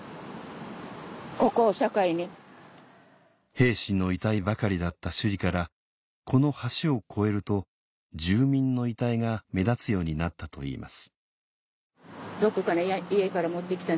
兵士の遺体ばかりだった首里からこの橋を越えると住民の遺体が目立つようになったといいます